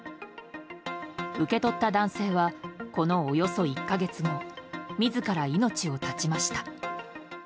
受け取った男性はこのおよそ１か月後自ら命を絶ちました。